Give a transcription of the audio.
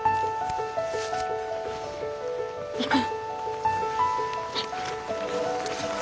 行こう。